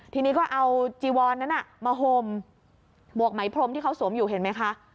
ทีนี้ก็เอาจีวอนนั้นมาห่มหมวกไหมพรมที่เขาสวมอยู่เห็นไหมคะ